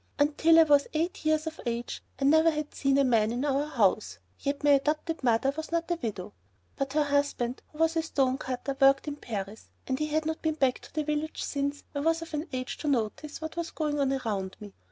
Until I was eight years of age I had never seen a man in our house; yet my adopted mother was not a widow, but her husband, who was a stone cutter, worked in Paris, and he had not been back to the village since I was of an age to notice what was going on around me.